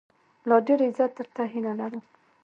لا ډېر عزت، درته هيله لرم